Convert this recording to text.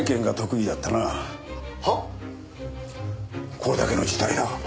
これだけの事態だ。